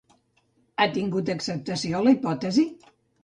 Ha tingut acceptació la hipòtesi?